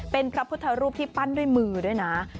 เป็นพระพุทธรูปที่ปั้นด้วยมือด้วยนะ